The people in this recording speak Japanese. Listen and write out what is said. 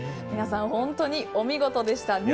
皆さん、本当にお見事でした。